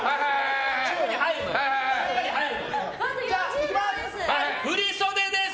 いきます！